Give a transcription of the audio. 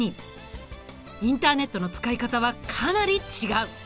インターネットの使い方はかなり違う。